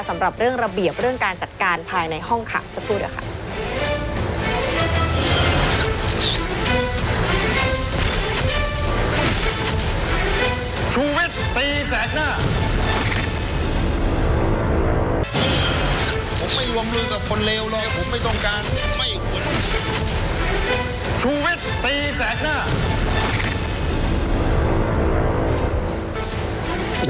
สำหรับเรื่องระเบียบเรื่องการจัดการภายในห้องขังสักครู่เดี๋ยวค่ะ